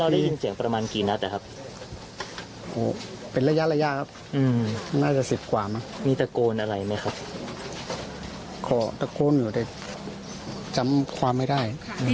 พี่บุหรี่พี่บุหรี่พี่บุหรี่พี่บุหรี่พี่บุหรี่